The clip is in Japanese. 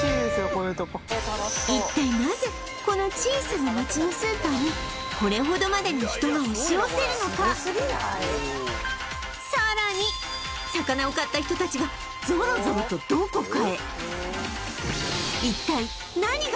こういうとこ一体なぜこの小さな町のスーパーにこれほどまでに人が押し寄せるのかさらに魚を買った人たちがぞろぞろとどこかへえー何？